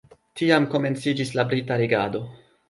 Tiam komenciĝis la brita regado.